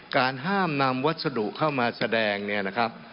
การห้ามนำวัสดุเข้ามาแสดงเนี่ยนะครับ